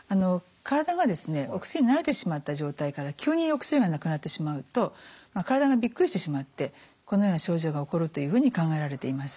体がですねお薬慣れてしまった状態から急にお薬がなくなってしまうと体がびっくりしてしまってこのような症状が起こるというふうに考えられています。